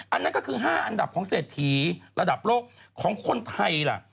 อันนั้นก็คือ๕อันดับของเศรษฐีระดับโลกของคนไทยล่ะ